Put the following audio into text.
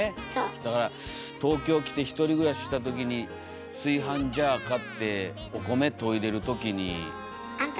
だから東京来て１人暮らししたときに炊飯ジャー買ってお米といでるときに。